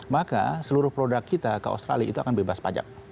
maka seluruh produk kita ke australia itu akan bebas pajak